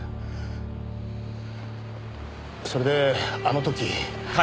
それであの時。